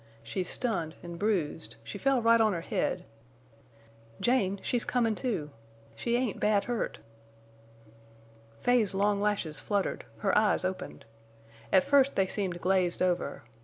She's stunned an' bruised—she fell right on her head. Jane, she's comin' to! She ain't bad hurt!" Fay's long lashes fluttered; her eyes opened. At first they seemed glazed over.